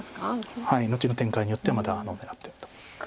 はい後の展開によってはまだ狙ってると思います。